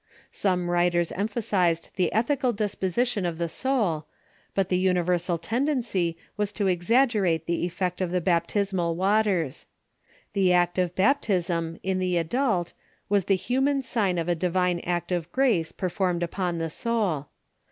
Some writers em phasized the ethical disposition of the soul, but the universal tendency was to exaggerate the effect of the baptismal wa ters. The act of baptism, in the adult, was the human sign of a divine act of grace performed upon the soul.